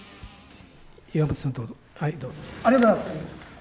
岩本さん、ありがとうございます！